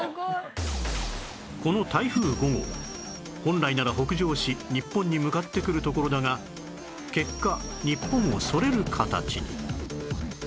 この台風５号本来なら北上し日本に向かってくるところだが結果日本をそれる形に